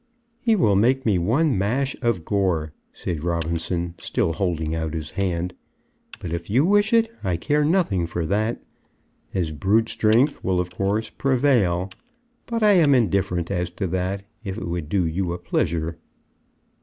"He will make me one mash of gore," said Robinson, still holding out his hand. "But if you wish it, I care nothing for that. His brute strength will, of course, prevail; but I am indifferent as to that, if it would do you a pleasure."